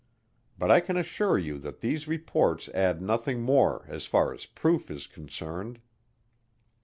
But I can assure you that these reports add nothing more as far as proof is concerned.